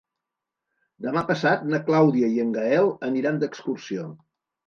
Demà passat na Clàudia i en Gaël aniran d'excursió.